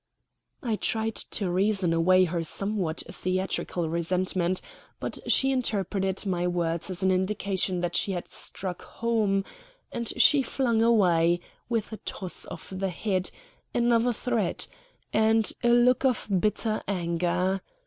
I tried to reason away her somewhat theatrical resentment, but she interpreted my words as an indication that she had struck home; and she flung away, with a toss of the head, another threat, and a look of bitter anger.